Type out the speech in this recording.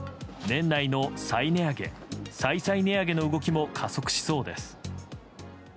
年内の再値上げ再々値上げの動きも加速しそうです。